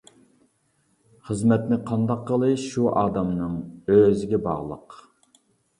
خىزمەتنى قانداق قىلىش شۇ ئادەمنىڭ ئۆزىگە باغلىق.